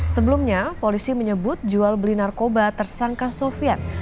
sebelumnya polisi menyebut jual beli narkoba tersangka sofian